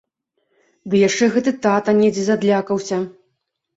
Ды яшчэ гэты тата недзе задлякаўся!